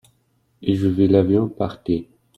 et je vis l'avion partir.